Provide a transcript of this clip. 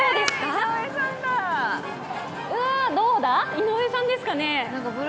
井上さんですかね？